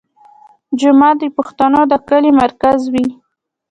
جومات د پښتنو د کلي مرکز وي.